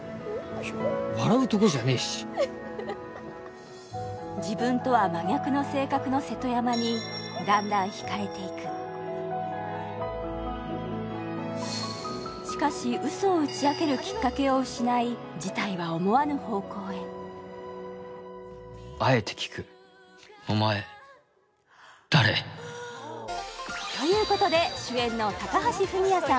笑うとこじゃねえし自分とは真逆の性格の瀬戸山にだんだん惹かれていくしかしウソを打ち明けるきっかけを失い事態は思わぬ方向へ「あえて聞く」ということで主演の高橋文哉さん